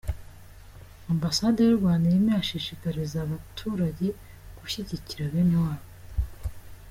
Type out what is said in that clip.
Ambasade y’u Rwanda irimo irashishikariza abaturage gushyigikira bene wabo